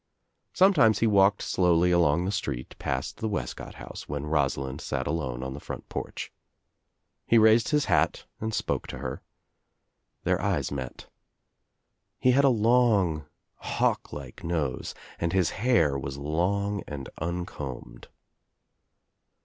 Sometimes he walked slowly along the street past the Wescott house when Rosalind sat alone on the front porch. He raised his hat and spoke to her. Their eyes met. He had a long, hawk like nose and his hair was long and uncombed.